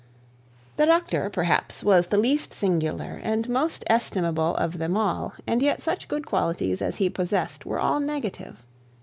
The doctor, perhaps, was the least singular and most estimable of them all, and yet such good qualities as he possessed were all negative.